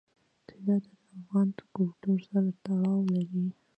طلا د افغان کلتور سره تړاو لري.